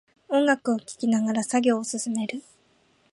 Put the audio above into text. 音楽を聴きながら作業を進める